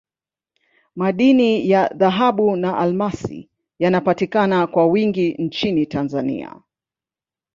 madini ya dhahabu na almasi yanapatikana kwa wingi nchini tanzania